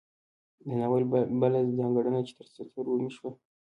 د ناول بله ځانګړنه چې تر سترګو مې شوه